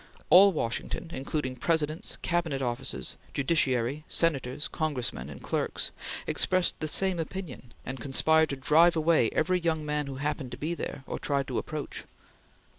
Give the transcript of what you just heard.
All Washington, including Presidents, Cabinet officers, Judiciary, Senators, Congressmen, and clerks, expressed the same opinion, and conspired to drive away every young man who happened to be there or tried to approach.